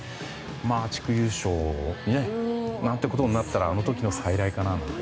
地区優勝なんてことになったらあの時の再来かなと。